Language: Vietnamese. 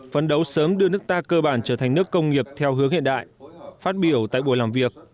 phấn đấu sớm đưa nước ta cơ bản trở thành nước công nghiệp theo hướng hiện đại phát biểu tại buổi làm việc